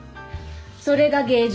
それが芸術。